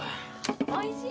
おいしい。